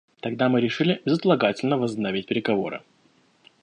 Тогда мы решили безотлагательно возобновить переговоры.